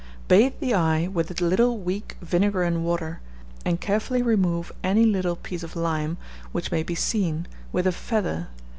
Bathe the eye with a little weak vinegar and water, and carefully remove any little piece of lime which may be seen, with a feather.